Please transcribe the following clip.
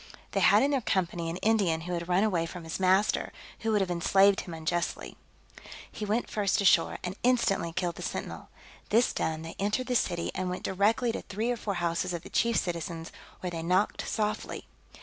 They had in their company an Indian who had run away from his master, who would have enslaved him unjustly. He went first ashore, and instantly killed the sentinel: this done, they entered the city, and went directly to three or four houses of the chief citizens, where they knocked softly.